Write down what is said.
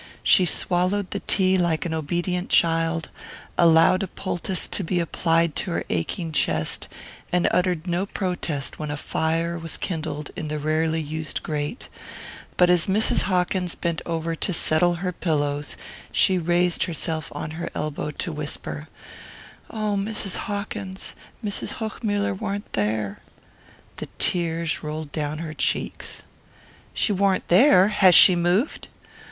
She swallowed the tea like an obedient child, allowed a poultice to be applied to her aching chest and uttered no protest when a fire was kindled in the rarely used grate; but as Mrs. Hawkins bent over to "settle" her pillows she raised herself on her elbow to whisper: "Oh, Mrs. Hawkins, Mrs. Hochmuller warn't there." The tears rolled down her cheeks. "She warn't there? Has she moved?"